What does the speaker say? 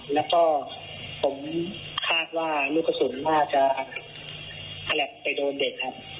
แล้วก็ผมคาดว่าลูกกระสุนน่าจะถนัดไปโดนเด็กครับ